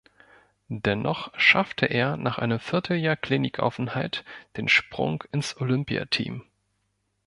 Dennoch schaffte er nach einem Vierteljahr Klinikaufenthalt den Sprung ins Olympiateam.